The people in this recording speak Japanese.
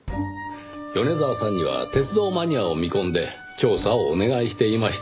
米沢さんには鉄道マニアを見込んで調査をお願いしていました。